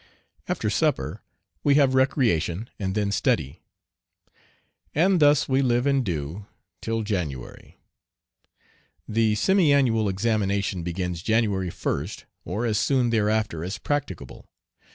After supper we have recreation and then study. And thus we "live and do" till January. The semi annual examination begins January 1st, or as soon thereafter as practicable.